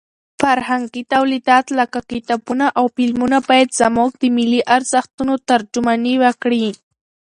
فرهنګي تولیدات لکه کتابونه او فلمونه باید زموږ د ملي ارزښتونو ترجماني وکړي.